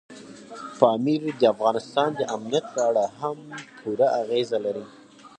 پامیر د افغانستان د امنیت په اړه هم پوره اغېز لري.